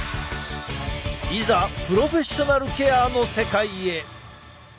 いざプロフェッショナルケアの世界へ！